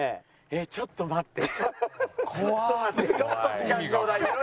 えっちょっと待って。